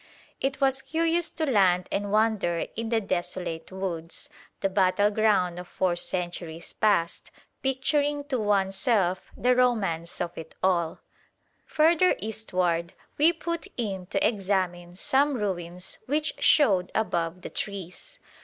It was curious to land and wander in the desolate woods, the battle ground of four centuries past, picturing to oneself the romance of it all. Further eastward we put in to examine some ruins which showed above the trees.